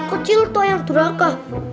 kecil tuh yang durhaka